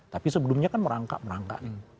tapi sebelumnya kan merangkak merangkak